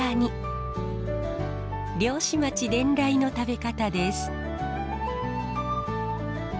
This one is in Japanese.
漁師町伝来の食べ方です。